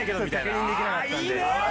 確認できなかった。